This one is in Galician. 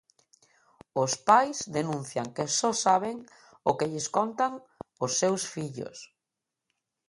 Os pais denuncian que só saben o que lles contan os seus fillos.